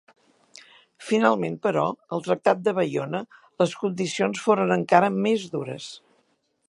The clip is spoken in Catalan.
Finalment, però, al tractat de Baiona les condicions foren encara més dures.